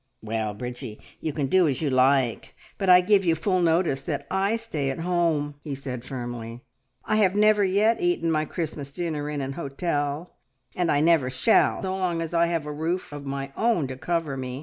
"Well, Bridgie, you can do as you like, but I give you full notice that I stay at home!" he said firmly. "I have never yet eaten my Christmas dinner in an hotel, and I never shall so long as I have a roof of my own to cover me.